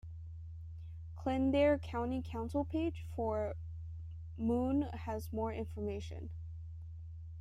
Kildare County Council page for Moone has more information.